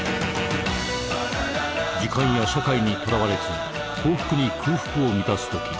時間や社会にとらわれず幸福に空腹を満たすとき